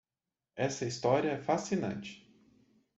Essa história é fascinante.